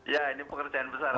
iya ini pekerjaan besar saya kira